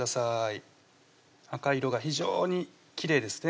赤色が非常にきれいですね